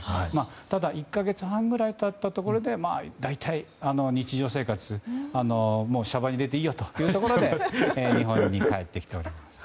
ただ、１か月半くらい経ったところで大体、日常生活娑婆に出ていいよというところで日本に帰ってきております。